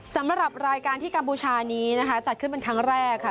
สำหรับรายการที่กัมพูชานี้นะคะจัดขึ้นเป็นครั้งแรกค่ะ